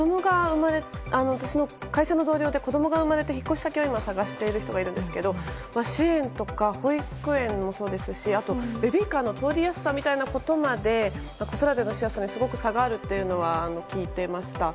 会社の同僚で子供が生まれて引っ越し先を探している人がいるんですが支援とかも、保育園もそうですしあと、ベビーカーの通りやすさということまで子育てのしやすさに差があることは聞いてました。